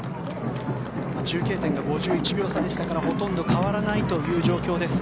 中継点が５１秒差でしたからほとんど変わらないという状況です。